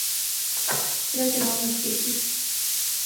سریچ ارام اچھی ایسی